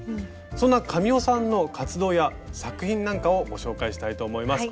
そんな神尾さんの活動や作品なんかをご紹介したいと思います。